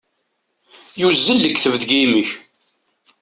Yuzzel lekdeb deg yimi-k.